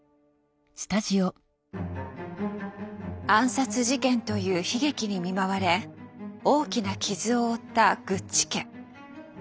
暗殺事件という悲劇に見舞われ大きな傷を負ったグッチ家。